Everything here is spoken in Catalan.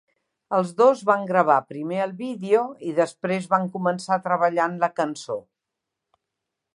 Els dos van gravar primer el vídeo i després van començar a treballar en la cançó.